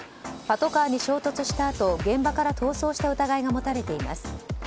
パトカーに衝突したあと現場から逃走した疑いが持たれています。